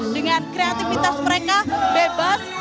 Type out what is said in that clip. dengan kreativitas mereka bebas